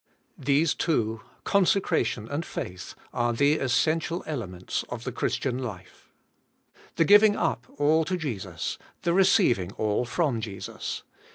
These two, consecration and faith, are the essential elements of the Christian life, — the giving up all to Jesus, the receiving all from Jesus.